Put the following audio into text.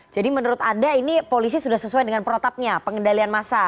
jadi menurut anda ini polisi sudah sesuai dengan protapnya pengendalian massa